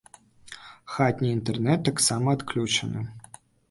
Хатні інтэрнэт таксама адключаны.